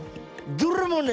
どれもね